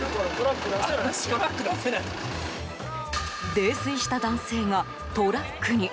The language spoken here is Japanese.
泥酔した男性がトラックに。